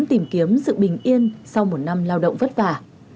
tìm kiếm sự bình yên sau một năm lao động vất vả